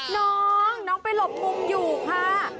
น้องน้องไปหลบมุมอยู่ค่ะ